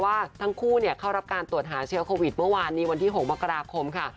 ว่าทั้งคู่เข้ารับการตรวจหาเชื้อโควิดเมื่อวานนี้วันที่๖มกราคมค่ะ